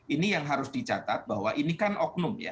ini yang harus dicatat bahwa ini kan oknum ya